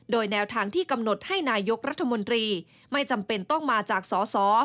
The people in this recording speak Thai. โดยแนวทางที่กำหนดให้นายกรัฐมนตรีไม่จำเป็นต้องมาจากสส